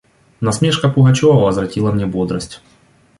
Насмешка Пугачева возвратила мне бодрость.